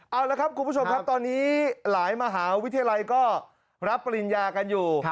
เอาละครับคุณผู้ชมครับตอนนี้หลายมหาวิทยาลัยก็รับปริญญากันอยู่